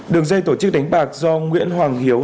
đường dây tổ chức đánh bạc do nguyễn hoàng hiếu